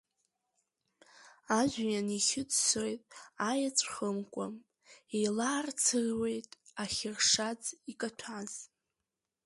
Ажәҩан иахьыӡсоит аеҵәхымкәа, еилаарцыруеит ахьыршаӡ икаҭәаз.